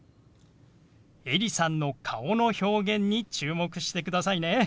エリさんの顔の表現に注目してくださいね。